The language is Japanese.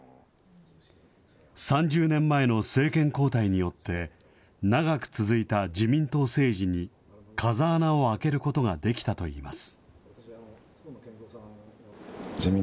３０年前の政権交代によって、長く続いた自民党政治に風穴を開けることができたといいます。